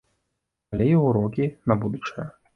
Але і ўрокі на будучае.